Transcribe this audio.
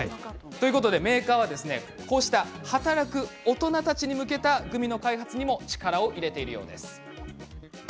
メーカーはこうした働く大人たちに向けたグミの開発にも力を入れているようです。